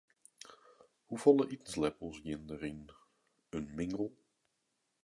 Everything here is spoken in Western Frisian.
Hoefolle itensleppels geane der yn in mingel?